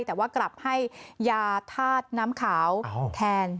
แต่ว่ากลับให้ยาธาตุน้ำขาวแทน